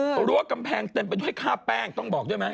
๕๒๒๕เออรั้วกำแพงเต็มไปช่วยฆ่าแป้งต้องบอกใช่ไหม